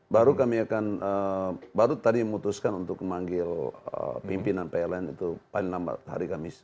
baru kami akan baru tadi memutuskan untuk memanggil pimpinan pln itu paling lambat hari kamis